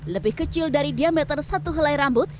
lebih kecil dari diameter satu helai rambut